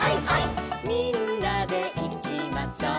「みんなでいきましょう」